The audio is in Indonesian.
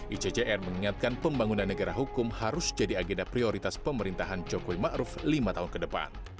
icgr mengingatkan pembangunan negara hukum harus jadi agenda prioritas pemerintahan jokowi ma'ruf lima tahun ke depan